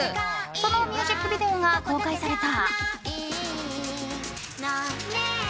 そのミュージックビデオが公開された。